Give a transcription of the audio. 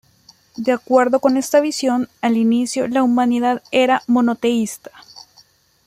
De acuerdo con esta visión, al inicio la humanidad era monoteísta.